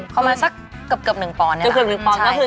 ขอมาสักเกือบ๑ปอนเนี่ยหรอ๗๐๐๗๐๐บาท